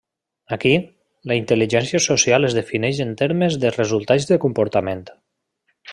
Aquí, la intel·ligència social es defineix en termes de resultats de comportament.